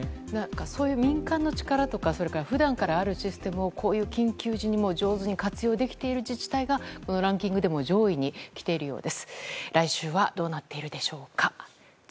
そういう民間の力とか普段からあるシステムをこういう緊急時にも上手に活用できている自治体がランキングでも上位にきているようです。